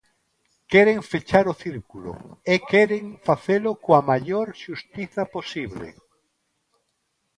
Queren fechar o círculo, e queren facelo coa maior xustiza posible.